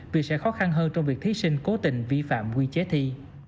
vì sẽ khó khăn hơn trong việc thí sinh cố tình vi phạm quy chế thi